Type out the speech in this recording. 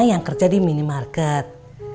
yang kerja di minimarket